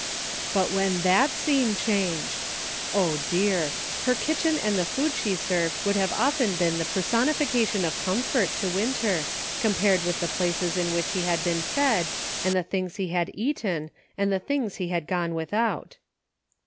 But when that scene changed ! O, dear ! Her kitchen and the food she served would often have been the personification of comfort to Winter, compared with the places in which he had been fed, and the things he had eaten and the things he had gore without.